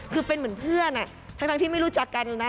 คือเป็นเหมือนเพื่อนทั้งที่ไม่รู้จักกันนะ